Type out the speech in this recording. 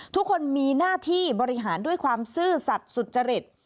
ทุกคนมีหน้าที่บริหารด้วยความซื่อสัตว์สุจริต